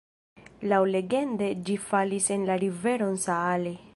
Laŭlegende ĝi falis en la riveron Saale.